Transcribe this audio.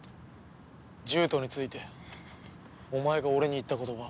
獣人についてお前が俺に言った言葉。